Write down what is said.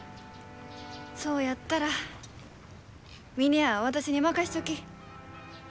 そうやったら峰屋は私に任しちょき。